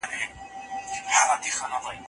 ټولنه بايد د ارتقا پړاوونه په برياليتوب ووهي.